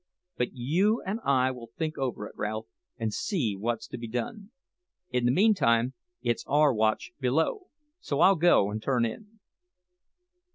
But you and I will think over it, Ralph, and see what's to be done. In the meantime it's our watch below, so I'll go and turn in."